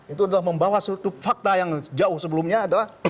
itu adalah membawa suatu fakta yang jauh sebelumnya adalah